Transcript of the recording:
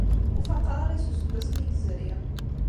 Ur faqeɣ ara s useggas mi yezri.